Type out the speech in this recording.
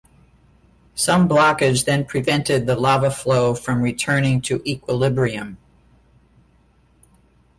Some blockage then prevented the lava flow from returning to equilibrium.